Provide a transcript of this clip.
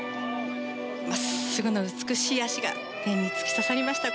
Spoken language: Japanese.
真っすぐの美しい脚が天に突き刺さりました。